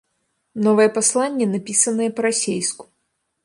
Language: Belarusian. Новае пасланне напісанае па-расейску.